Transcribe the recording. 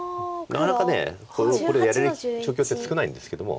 なかなかこれやれる状況って少ないんですけども。